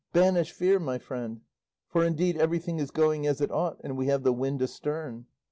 Banish fear, my friend, for indeed everything is going as it ought, and we have the wind astern."